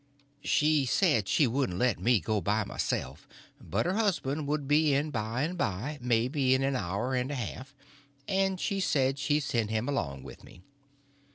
She said she wouldn't let me go by myself, but her husband would be in by and by, maybe in a hour and a half, and she'd send him along with me.